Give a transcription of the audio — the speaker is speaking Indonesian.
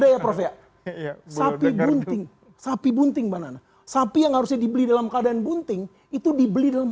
sapi bunting sapi bunting eco sapi yang harus jadi beli dalam keadaan bunting itu di beli dalam